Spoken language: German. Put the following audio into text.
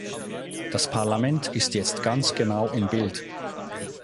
Das Parlament ist jetzt ganz genau im Bild.